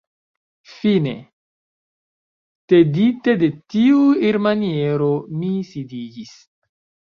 Fine, tedite de tiu irmaniero, mi sidiĝis.